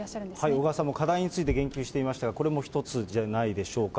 小川さんも課題について言及していましたが、これも１つじゃないでしょうか。